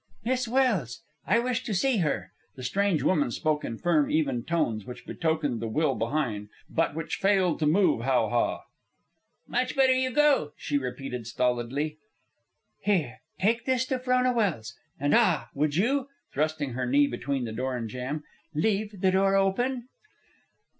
"Miss Welse. I wish to see her." The strange woman spoke in firm, even tones which betokened the will behind, but which failed to move How ha. "Much better you go," she repeated, stolidly. "Here, take this to Frona Welse, and ah! would you!" (thrusting her knee between the door and jamb) "and leave the door open."